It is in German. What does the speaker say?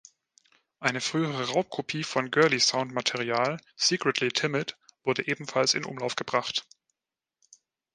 Eine frühere Raubkopie von „Girly-Sound“-Material, „Secretly Timid“, wurde ebenfalls in Umlauf gebracht.